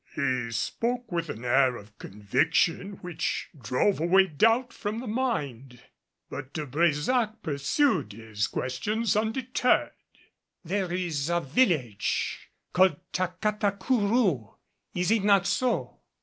He spoke with an air of conviction which drove away doubt from the mind. But De Brésac pursued his questions undeterred. "There is a village called Tacatacourou, is it not so?"